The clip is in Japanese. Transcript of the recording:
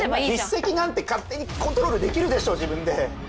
筆跡なんて勝手にコントロールできるでしょ自分で。